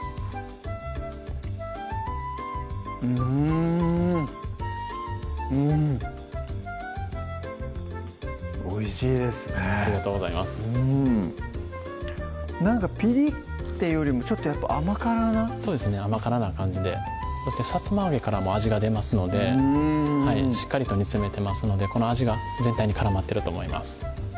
うんうんおいしいですねありがとうございますなんかピリッていうよりもちょっと甘辛なそうですね甘辛な感じでさつま揚げからも味が出ますのでしっかりと煮詰めてますのでこの味が全体に絡まってると思います